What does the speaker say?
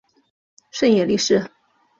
胜野莉世。